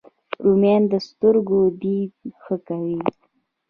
رومیان د سترګو دید ښه کوي